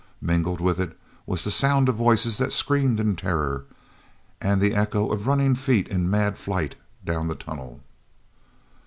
Mingled with it was the sound of voices that screamed in terror, and the echo of feet running in mad flight down the tunnel.